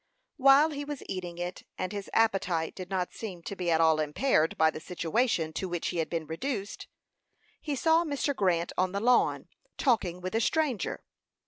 While he was eating it, and his appetite did not seem to be at all impaired by the situation to which he had been reduced, he saw Mr. Grant on the lawn, talking with a stranger.